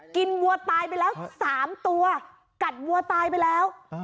กินวัวตายไปแล้วสามตัวกัดวัวตายไปแล้วอ่า